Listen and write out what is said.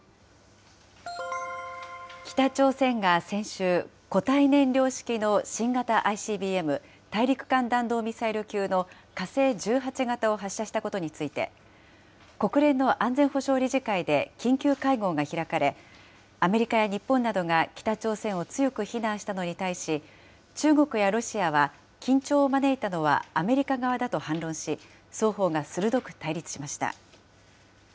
北朝鮮が先週、固体燃料式の新型ＩＣＢＭ・大陸間弾道ミサイル級の火星１８型を発射したことについて、国連の安全保障理事会で緊急会合が開かれ、アメリカや日本などが北朝鮮を強く非難したのに対し、中国やロシアは、緊張を招いたのはアメリカ側だと反論し、双方が鋭く対立しました。